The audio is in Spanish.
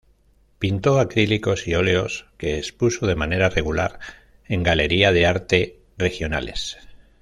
Pintó acrílicos y óleos, que expuso de manera regular en galería de arte regionales.